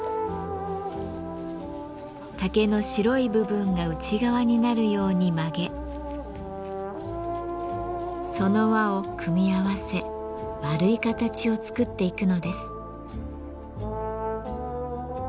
竹の白い部分が内側になるように曲げその輪を組み合わせ丸い形を作っていくのです。